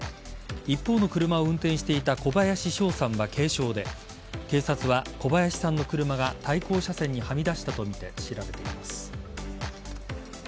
一方の車を運転していた小林翔さんは軽傷で警察は小林さんの車が対向車線にはみ出したとみて調べています。